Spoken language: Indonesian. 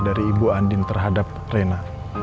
dari ibu andin terhadap rena